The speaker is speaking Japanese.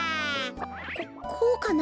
ここうかな。